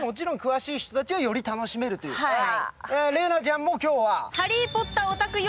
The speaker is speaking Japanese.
麗菜ちゃんも今日は？